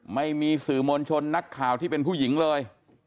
ไม่มีสื่อมวลชนนักข่าวที่เป็นผู้หญิงเลย